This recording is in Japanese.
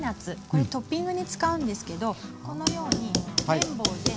これトッピングに使うんですけどこのように麺棒で。